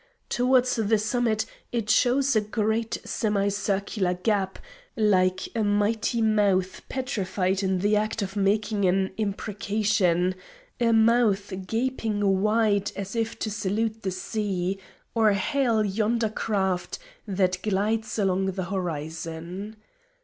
Towards the summit it shows a great semi circular gap like a mighty mouth petrified in the act of making an imprecation a mouth gaping wide as if to salute the sea, or hail yonder craft that glides along the horizon.